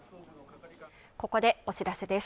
ここでお知らせです